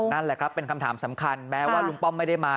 นั่นแหละครับเป็นคำถามสำคัญแม้ว่าลุงป้อมไม่ได้มา